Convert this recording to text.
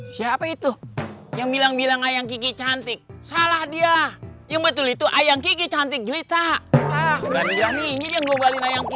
siapa itu yang bilang bilang ayam kiki cantik salah dia yang betul itu ayam kiki cantik gelita